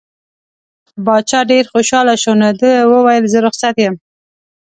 باچا ډېر خوشحاله شو نو ده وویل زه رخصت یم.